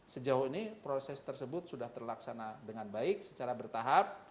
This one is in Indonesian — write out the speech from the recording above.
sejauh ini proses tersebut sudah terlaksana dengan baik secara bertahap